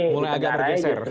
mulai agak bergeser